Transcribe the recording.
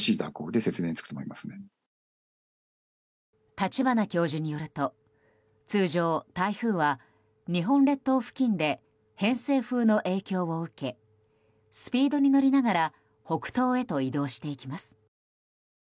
立花教授によると通常、台風は日本列島付近で偏西風の影響を受けスピードに乗りながら北東へと移動していきます。